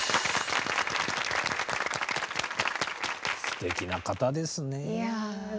すてきな方ですね。